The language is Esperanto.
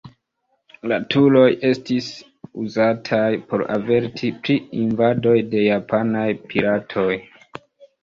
La turoj estis uzataj por averti pri invadoj de japanaj piratoj.